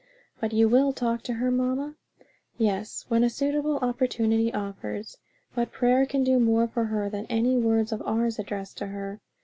"But you will talk to her, mamma?" "Yes, when a suitable opportunity offers; but prayer can do more for her than any words of ours, addressed to her."